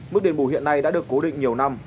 mức đền bù hiện nay đã được cố định nhiều năm